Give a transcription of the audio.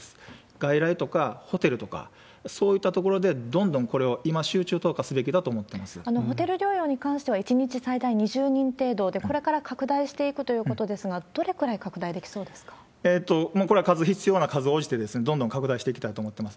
外来とかホテルとか、そういったところでどんどんこれを今、集中投下すべきだと思ってホテル療養に関しては、１日最大２０人程度で、これから拡大していくということですが、もうこれは数、必要な数に応じてどんどん拡大していきたいと思ってます。